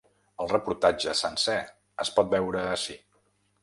El reportatge sencer es pot veure ací.